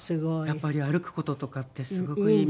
やっぱり歩く事とかってすごくいいみたいです。